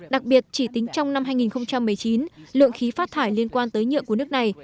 đặc biệt chỉ tính trong năm hai nghìn một mươi chín lượng khí phát thải liên quan tới nhựa của nước này